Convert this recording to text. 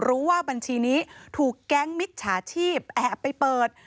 บัญชีนี้ถูกแก๊งมิจฉาชีพแอบไปเปิด